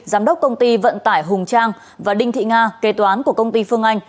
giám đốc công ty vận tải hùng trang và đinh thị nga kế toán của công ty phương anh